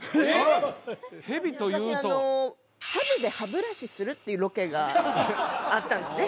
蛇というとハブで歯ブラシするっていうロケがあったんですね